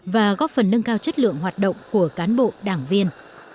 và góp phần nâng cao chất lượng hoạt động của cán bộ đảng viên